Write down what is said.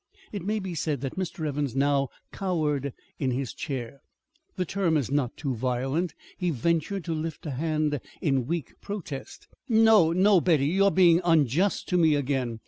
It may be said that Mr. Evans now cowered in his chair. The term is not too violent. He ventured to lift a hand in weak protest. "No, no, Betty, you are being unjust to me again.